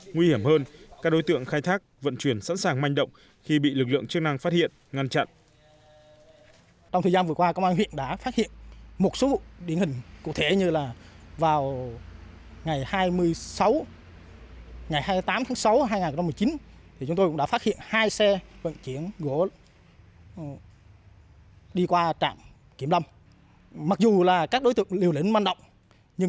nguy hiểm hơn các đối tượng khai thác vận chuyển sẵn sàng manh động khi bị lực lượng chức năng phát hiện ngăn chặn